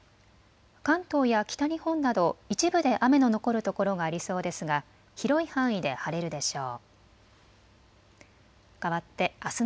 関東や北日本など一部で雨の残る所がありそうですが広い範囲で晴れるでしょう。